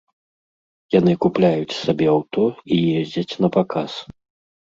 Яны купляюць сабе аўто і ездзяць напаказ.